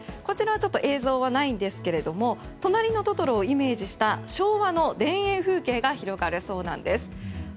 こちらは映像はないんですが「となりのトトロ」をイメージした昭和の田園風景が広がるそうなんです。